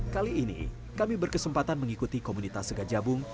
kali ini kami berkesempatan mengikuti komunitas segajabung